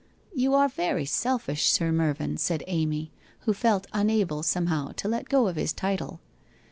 ' You are very selfish, Sir Mervyn,' said Amy, who felt unable, somehow to let go of his title.